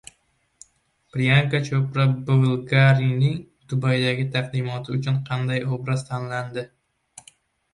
Priyanka Chopra Bvlgari’ning Dubaydagi taqdimoti uchun qanday obraz tanladi?